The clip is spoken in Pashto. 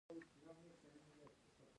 زه د بدو ملګرو څخه ځان ساتم.